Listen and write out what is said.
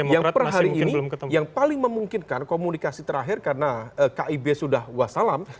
yang per hari ini yang paling memungkinkan komunikasi terakhir karena kib sudah wassalam